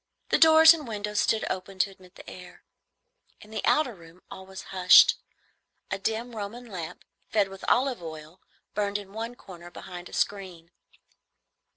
The doors and windows stood open to admit the air. In the outer room all was hushed. A dim Roman lamp, fed with olive oil, burned in one corner behind a screen.